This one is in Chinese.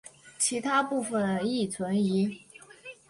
其他部分亦存疑。